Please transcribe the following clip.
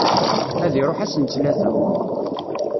Ad iṛuḥ ass n tlata.